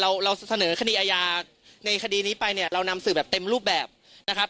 เราเราเสนอคดีอาญาในคดีนี้ไปเนี่ยเรานำสื่อแบบเต็มรูปแบบนะครับ